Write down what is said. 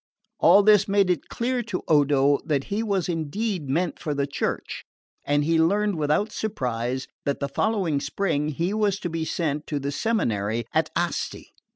All this made it clear to Odo that he was indeed meant for the Church, and he learned without surprise that the following spring he was to be sent to the seminary at Asti.